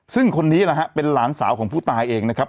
ซึ่งคนนี้นะฮะเป็นหลานสาวของผู้ตายเองนะครับ